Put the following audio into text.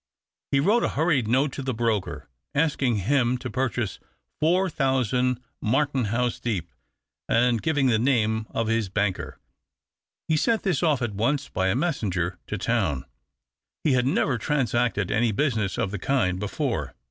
He wrote a hurried note to the broker, asking him to purchase four thousand Martenhuis Deep, and giving the name of his banker. He sent this off at once by a messenger to town. He had never transacted any business of the kind before.